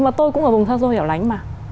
và tôi cũng ở vùng xa xôi hẻo lánh mà